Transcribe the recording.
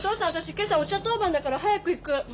今朝お茶当番だから早く行く。